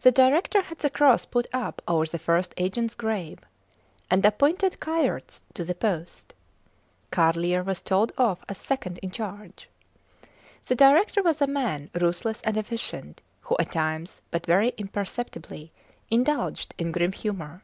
The director had the cross put up over the first agents grave, and appointed Kayerts to the post. Carlier was told off as second in charge. The director was a man ruthless and efficient, who at times, but very imperceptibly, indulged in grim humour.